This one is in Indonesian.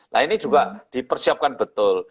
nah ini juga dipersiapkan betul